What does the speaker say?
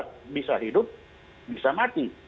kita bisa hidup bisa mati